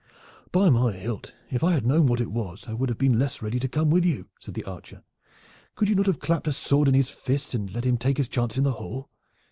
"By my hilt, if I had known what it was I would have been less ready to come with you," said the archer. "Could you not have clapped a sword in his fist and let him take his chance in the hall?"